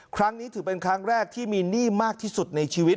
ครั้งนี้ถือเป็นครั้งแรกที่มีหนี้มากที่สุดในชีวิต